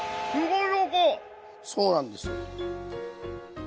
そうなんですよ。